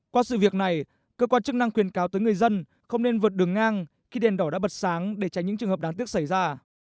qua sự việc này cơ quan chức năng khuyên cáo tới người dân không nên vượt đường ngang khi đèn đỏ đã bật sáng để tránh những trường hợp đáng tiếc xảy ra